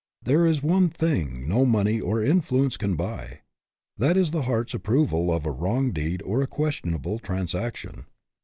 There is one thing no money or influence can buy; that is, the heart's approval of a wrong deed or a questionable transaction.